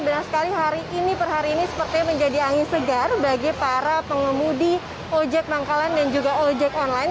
benar sekali hari ini per hari ini sepertinya menjadi angin segar bagi para pengemudi ojek pangkalan dan juga ojek online